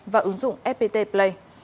và ứng dụng fpt play